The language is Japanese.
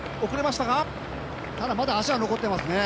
ただ、足は残ってますね。